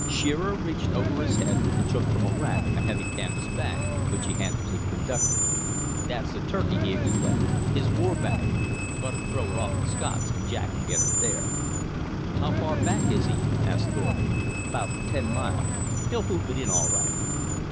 Shearer reached over his head and took from the rack a heavy canvas bag, which he handed to the conductor. "That's the 'turkey' " he explained, "his war bag. Bud'll throw it off at Scott's, and Jack'll get it there." "How far back is he?" asked Thorpe. "About ten mile. He'll hoof it in all right."